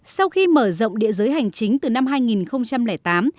sau khi mở rộng địa giới hành chính từ năm hai nghìn tám